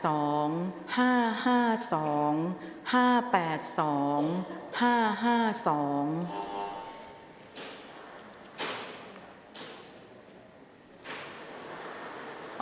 ออกรางวัลที่๖เลขที่๗